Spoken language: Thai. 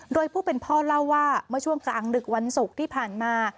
โดยผู้เป็นพ่อเล่าว่าเมื่อช่วงกลางดึกวันศุกร์ที่ผ่านมา